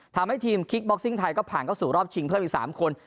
ทำให้ทีมคิกบ็อกซิ่งไทยก็ผ่านเข้าสู่รอบชิงเพิ่มอีก๓คน